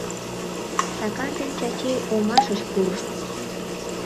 Сакар ден Чачи омашыш пурышт.